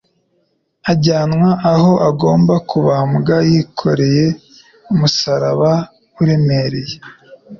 ajyanwa aho agomba kubambwa yikoreye umusaraba uremereye